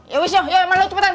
ya wiso yuk sama lo cepetan